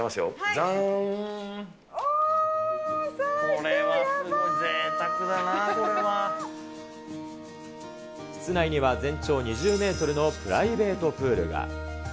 これはすごいぜいたくだなあ、室内には全長２０メートルのプライベートプールが。